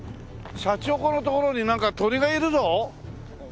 シャチホコの所になんか鳥がいるぞ！